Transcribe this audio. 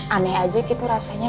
aneh aja gitu rasanya